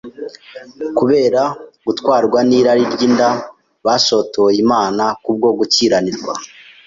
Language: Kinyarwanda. kubera gutwarwa n’irari ry’inda, bashotoye Imana kubwo gukiranirwa